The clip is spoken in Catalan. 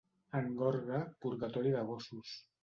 En Gorga, purgatori de gossos.